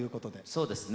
そうですね。